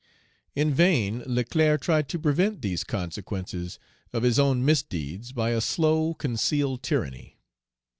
In vain Leclerc tried to prevent these consequences of his own misdeeds by a slow, concealed tyranny.